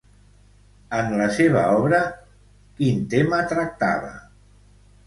En la seva obra, quin tema tractava?